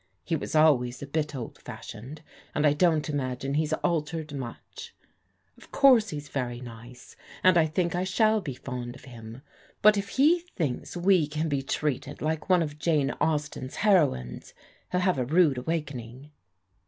He was always a bit old fashioned, and I don't imagine he's altered much. Of course he's very nice, and I think I shall be fond of him, but if he thinks we can be treated like one of Jane Austen's heroines, he'll have a rude awakening."